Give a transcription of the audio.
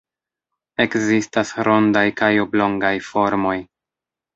Ekzistas rondaj kaj oblongaj formoj.